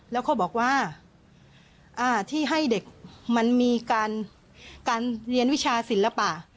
แล้วเขาบอกว่าที่ให้เด็กมันมีการเรียนวิชาศิลปะ